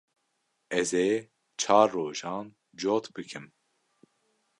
Ez ê çar rojan cot bikim.